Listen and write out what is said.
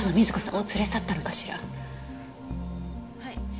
はい。